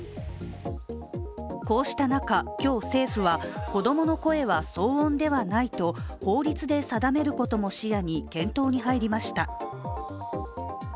こうした中、今日、政府は子供の声は騒音ではないと法律で定めることも視野に検討に入りました。